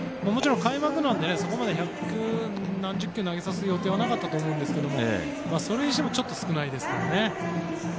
もちろん開幕なのでそこまで百何十球を投げさせることはなかったと思うんですけどそれにしてもちょっと少ないですからね。